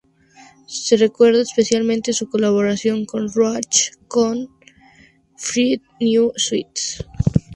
Se recuerda especialmente su colaboración con Roach en "Freedom Now Suite".